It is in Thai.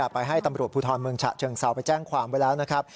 ไปให้ตำรวจภูทรเมืองฉะเชิงเซาไปแจ้งความไว้แล้วนะครับ